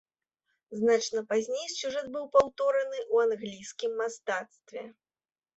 Значна пазней сюжэт быў паўтораны ў англійскім мастацтве.